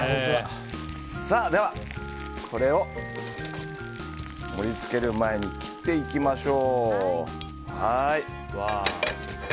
では、これを盛り付ける前に切っていきましょう。